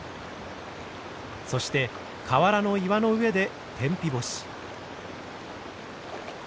そして川原の岩の上で天日干し。